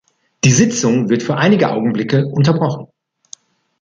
Die Sitzung wird für einige Augenblicke unterbrochen.